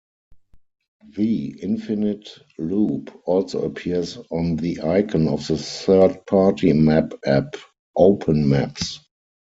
The Infinite Loop also appears on the icon of the third-party map app OpenMaps.